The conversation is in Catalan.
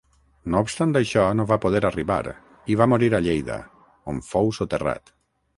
No obstant això, no va poder arribar, i va morir a Lleida, on fou soterrat.